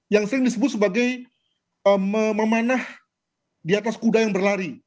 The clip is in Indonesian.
yang sering disebut sebagai memanah di atas kuda yang berlari